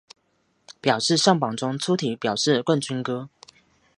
表示上榜中粗体表示冠军歌